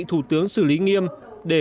thủ tướng xử lý nghiêm để